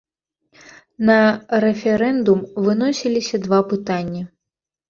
На рэферэндум выносіліся два пытанні.